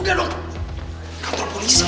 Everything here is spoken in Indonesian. udah dong kantor polisi kali